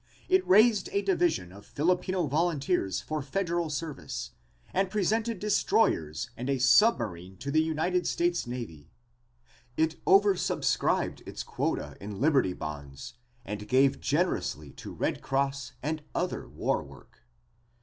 It raised a division of Filipino volunteers for federal service and presented destroyers and a submarine to the United States Navy; it oversubscribed its quota in Liberty bonds and gave generously to Red Cross and other war work.